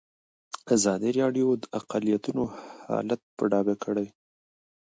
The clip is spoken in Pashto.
ازادي راډیو د اقلیتونه حالت په ډاګه کړی.